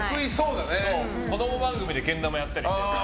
子供番組でけん玉やったり。